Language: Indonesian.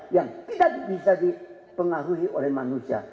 yang tidak bisa dipengaruhi oleh manusia